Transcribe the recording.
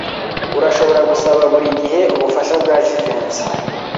Urashobora gusaba buri gihe ubufasha bwa Jivency.